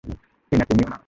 টিনা তুমিও না।